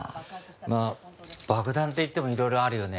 まあ爆弾っていってもいろいろあるよね。